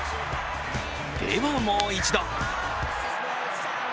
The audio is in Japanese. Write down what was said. では、もう一度。